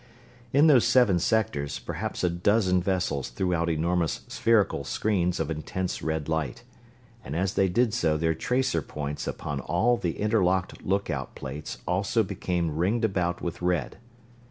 In those seven sectors perhaps a dozen vessels threw out enormous spherical screens of intense red light, and as they did so their tracer points upon all the interlocked lookout plates also became ringed about with red.